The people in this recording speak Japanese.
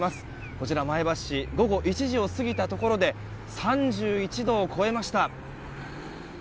こちら、前橋市午後１時を過ぎたところで３１度を超えました。